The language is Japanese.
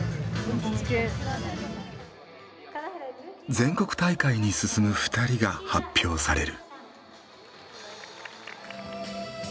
全国大会に進む２人が発表される。